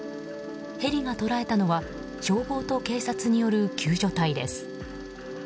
ヘリが捉えたのは消防と警察による救助隊です。